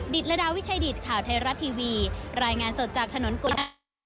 ดิดละดาวิชัยดิดข่าวไทยรับทีวีรายงานสดจากถนนโกศี